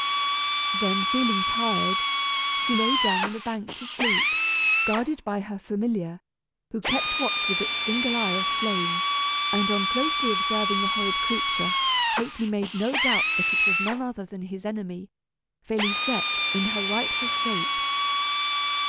Then, feeling tired, she lay down on a bank to sleep, guarded by her familiar, who kept watch with its single eye of flame; and on closely observing the horrid creature Ha'penny made no doubt that it was none other than his enemy, Félisette, in her rightful shape.